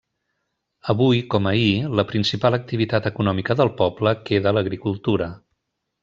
Avui com ahir, la principal activitat econòmica del poble queda l'agricultura.